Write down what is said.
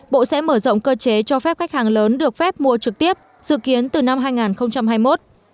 bộ sẽ mở rộng cơ chế cho phép khách hàng lớn được phép mua trực tiếp dự kiến từ năm hai nghìn hai mươi một